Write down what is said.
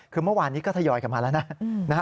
คือเมื่อวานนี้ก็ทยอยกลับมาแล้วนะ